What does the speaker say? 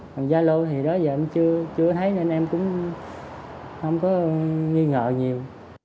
thằng zalo thì đó giờ em chưa thấy nên em cũng không có nghi ngờ nhiều